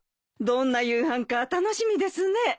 どんな夕飯か楽しみですね。